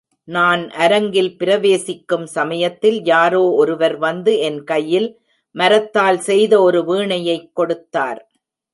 நான் அரங்கில் பிரவேசிக்கும் சமயத்தில் யாரோ ஒருவர் வந்து என் கையில் மரத்தால் செய்த ஒரு வீணையைக் கொடுத்தார்.